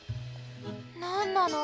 なんなの？